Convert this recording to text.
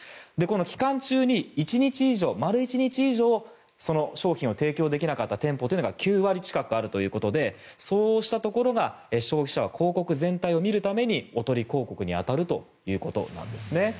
期間中に丸１日以上商品を提供できなかった店舗が９割近くあるということでそうしたところが消費者は広告全体を見るためにおとり広告に当たるということなんですね。